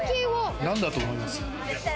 なんだと思います？